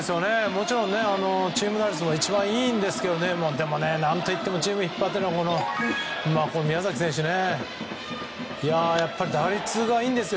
もちろんチーム打率も一番いいんですけどでも、何といってもチームを引っ張っているのは宮崎選手打率がいいんですよ。